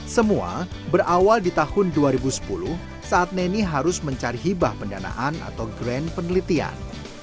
semua berawal di tahun dua ribu sepuluh saat neni harus mencari hibah pendanaan atau grand penelitian